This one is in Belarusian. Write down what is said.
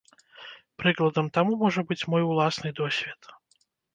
Прыкладам таму можа быць мой уласны досвед.